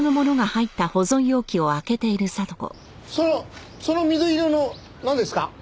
そのその緑色のなんですか？